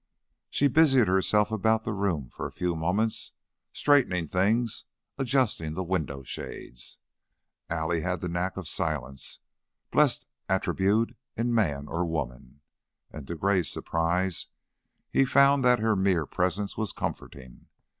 She busied herself about the room for a few moments, straightening things, adjusting the window shades. Allie had the knack of silence, blessed attribute in man or woman, and to Gray's surprise he found that her mere presence was comforting.